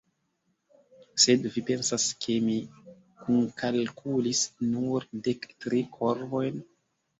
Sed vi pensas, ke mi kunkalkulis nur dek tri korvojn?